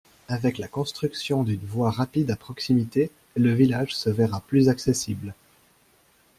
Avec la construction d'une voie rapide à proximité, le village se verra plus accessible.